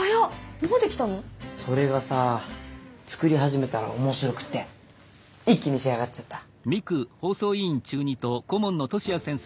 それがさ作り始めたら面白くって一気に仕上がっちゃった。